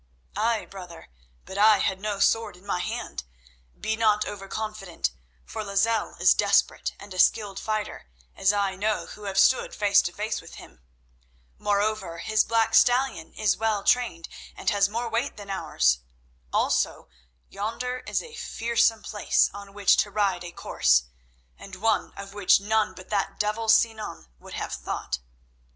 "Ay, brother, but I had no sword in my hand. Be not over confident, for Lozelle is desperate and a skilled fighter, as I know who have stood face to face with him. More over, his black stallion is well trained, and has more weight than ours. Also, yonder is a fearsome place on which to ride a course, and one of which none but that devil Sinan would have thought."